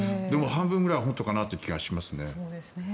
でも、半分ぐらいは本当かなという気がしますね。